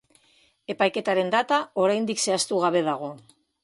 Epaiketaren data oraindik zehaztu gabe dago.